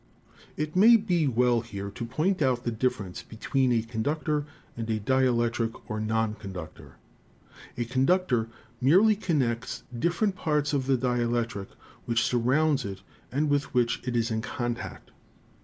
It may be well here to point out the difference between a conductor and a dielectric, or non conductor. A con ductor merely connects different parts of the dielectric 164 ELECTRICITY which surrounds it and with which it is in contact.